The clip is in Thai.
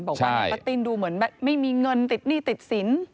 บอกว่าป้าติ้นดูเหมือนไม่มีเงินติดหนี้ติดสิน